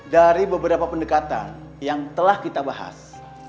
dari beberapa pendekatan yang telah kita bahas